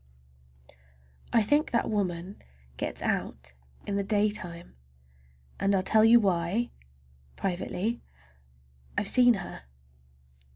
I think that woman gets out in the daytime! And I'll tell you why—privately—I've seen her!